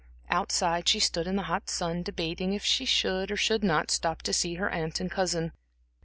Outside she stood in the hot sun debating if she should or should not stop to see her aunt and cousin.